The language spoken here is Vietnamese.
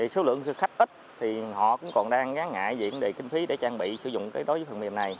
số lượng khách ít thì họ cũng còn đang ngã ngại diện đề kinh phí để trang bị sử dụng đối với phần mềm này